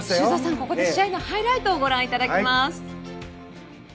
ここで試合のハイライトをご覧いただきます。